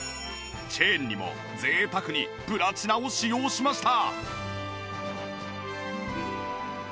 チェーンにも贅沢にプラチナを使用しました